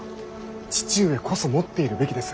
父上こそ持っているべきです。